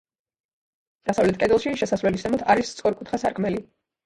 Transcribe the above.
დასავლეთ კედელში, შესასვლელის ზემოთ, არის სწორკუთხა სარკმელი.